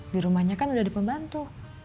di rumahnya kan udah ada pembantu